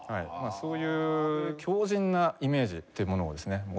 そういう強靱なイメージっていうものをですね